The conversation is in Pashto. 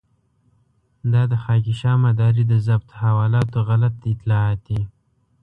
دا د خاکيشاه مداري د ضبط حوالاتو غلط اطلاعات دي.